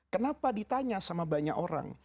kenapa ditanya sama banyak orang